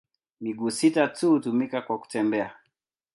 Miguu sita tu hutumika kwa kutembea.